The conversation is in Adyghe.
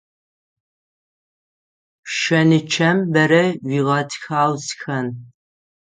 Шэнычъэм бэрэ уигъэтхьаусхэн.